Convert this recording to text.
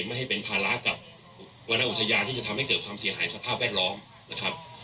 ไม่ให้เป็นภาระกับวรรณอุทยานที่จะทำให้เกิดความเสียหายสภาพแวดล้อมนะครับ